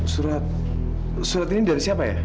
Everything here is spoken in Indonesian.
surat surat ini dari siapa ya